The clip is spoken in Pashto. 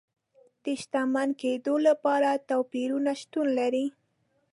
د شتمن کېدو لپاره توپیرونه شتون لري.